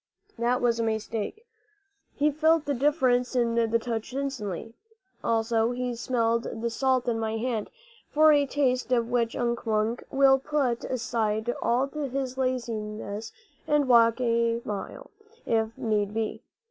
That was a mistake. He felt the difference in the touch instantly. Also he smelled the salt in my hand, for a taste of which Unk Wunk will put aside all his laziness and walk a mile, if need be.